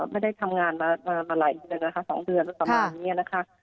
ไม่ได้ทำงานละมานาน๒เดือนประมาณนี้นะคะ